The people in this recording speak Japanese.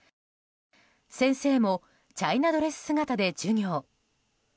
先生もチャイナドレス姿で授業。